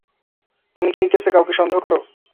তুমি কি এই কেসে কাউকে সন্দেহ করো?